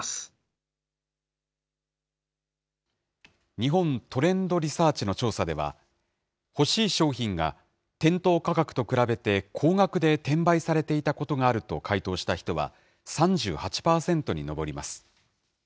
日本トレンドリサーチの調査では、欲しい商品が店頭価格と比べて高額で転売されていたことがあると回答した人は３８％に上ります。